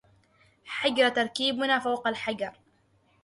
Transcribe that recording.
حجر تركيبنا فوق حجر